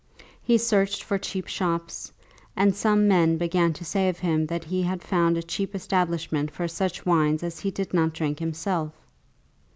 He searched for cheap shops; and some men began to say of him that he had found a cheap establishment for such wines as he did not drink himself!